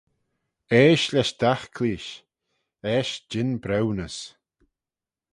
Easht lesh dagh cleaysh, eisht jean briwnys